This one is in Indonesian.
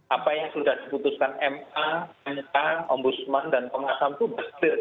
apa yang sudah diputuskan ma nk ombudsman dan komnasam itu betul